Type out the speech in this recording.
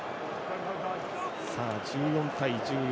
１４対１４。